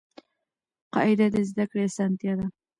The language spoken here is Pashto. قاعده د زده کړي اسانتیا ده.